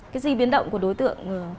cái gì biến động của đối tượng